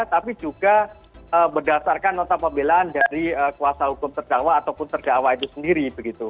tapi juga berdasarkan nota pembelaan dari kuasa hukum terdakwa ataupun terdakwa itu sendiri begitu